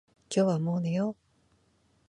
今日はもう寝よう。